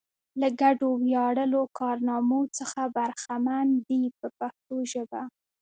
له ګډو ویاړلو کارنامو څخه برخمن دي په پښتو ژبه.